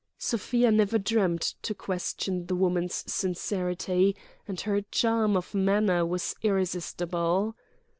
Sofia never dreamed to question the woman's sincerity; and her charm of manner was irresistible.